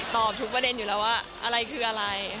ตอบทุกประเด็นทุกประเด็นอยู่แล้วว่าอะไรคืออะไร